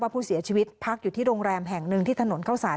ผู้เสียชีวิตพักอยู่ที่โรงแรมแห่งหนึ่งที่ถนนเข้าสาร